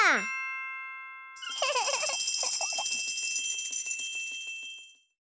フフフフフ。